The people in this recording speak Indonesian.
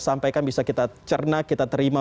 sampaikan bisa kita cerna kita terima